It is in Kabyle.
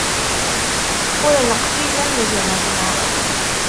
Ur neqfiz am gma-tneɣ.